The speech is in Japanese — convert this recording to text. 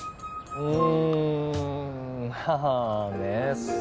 うん